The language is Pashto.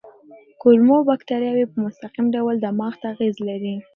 کولمو بکتریاوې په مستقیم ډول دماغ ته اغېز لري.